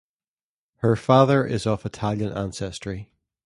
Her father is of italian ancestry.